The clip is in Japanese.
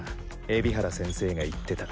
海老原先生が言ってた。